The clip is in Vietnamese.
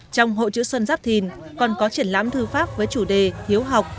trong hội chữ xuân giáp thìn còn có triển lãm thư pháp với chủ đề hiếu học